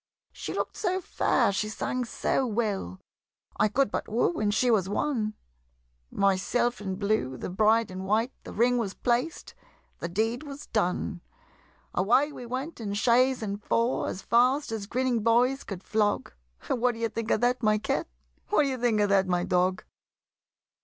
She look'd so fair, she sang so well, I could but woo and she was won, Myself in blue, the bride in white, The ring was placed, the deed was done! Away we went in chaise and four, As fast as grinning boys could flog What d'ye think of that, my Cat? What d'ye think of that, my Dog?